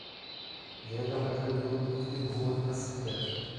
Jägerbataillon auf dem Hohenasperg.